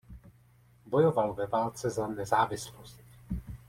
Bojoval ve válce za nezávislost.